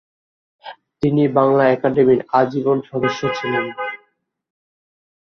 তিনি বাংলা একাডেমীর আজীবন সদস্য ছিলেন।